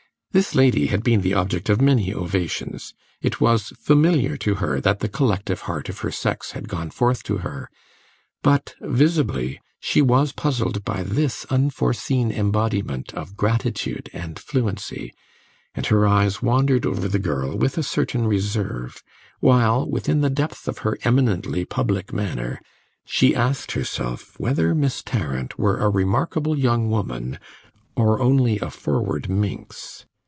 This lady had been the object of many ovations; it was familiar to her that the collective heart of her sex had gone forth to her; but, visibly, she was puzzled by this unforeseen embodiment of gratitude and fluency, and her eyes wandered over the girl with a certain reserve, while, within the depth of her eminently public manner, she asked herself whether Miss Tarrant were a remarkable young woman or only a forward minx.